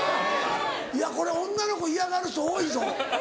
いやこれ女の子嫌がる人多いぞ。